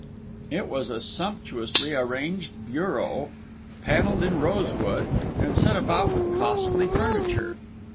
It was a sumptuously arranged bureau, panelled in rosewood, and set about with costly furniture.